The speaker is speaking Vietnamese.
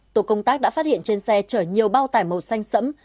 tổ công tác đã phát hiện trên xe chở nhiều bao tải màu xanh sẫm